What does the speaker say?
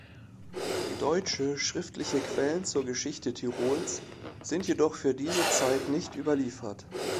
Deutsche schriftliche Quellen zur Geschichte Tirols sind jedoch für diese Zeit nicht überliefert.